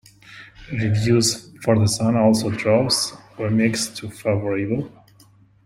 Reviews for "The Son Also Draws" were mixed to favorable.